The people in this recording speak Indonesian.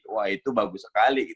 wah itu bagus sekali